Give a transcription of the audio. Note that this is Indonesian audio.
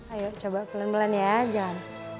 ayo coba pelan pelan ya jangan